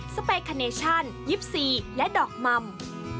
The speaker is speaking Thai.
สเปคคาเนชั่นยิปซีและดอกม่ำ